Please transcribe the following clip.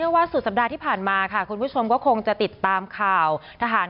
ว่าสุดสัปดาห์ที่ผ่านมาค่ะคุณผู้ชมก็คงจะติดตามข่าวทหาร